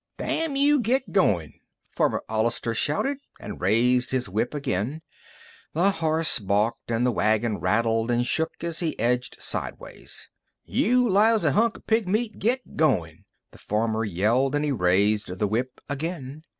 _ "Damn you, git going!" Farmer Ollister shouted, and raised his whip again. The horse balked, and the wagon rattled and shook as he edged sideways. "You lousy hunk of pigmeal, git going!" the farmer yelled and he raised the whip again.